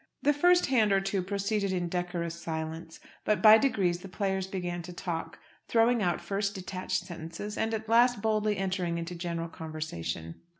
The first hand or two proceeded in decorous silence. But by degrees the players began to talk, throwing out first detached sentences, and at last boldly entering into general conversation.